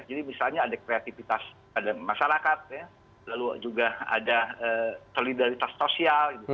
jadi misalnya ada kreativitas pada masyarakat lalu juga ada solidaritas sosial